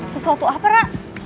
sesuatu apa ra